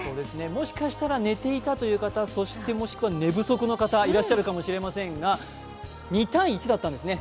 もしかしたら寝ていたという方もしくは寝不足の方いらっしゃるかもしれませんが２−１だったんですね。